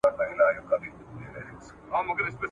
خوار چي موړ سي مځکي ته نه ګوري ..